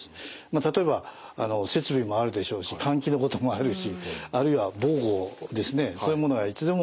例えば設備もあるでしょうし換気のこともあるしあるいは防護ですねそういうものがいつでも確保されてるように。